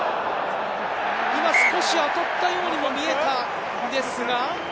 今少し当たったようにも見えた。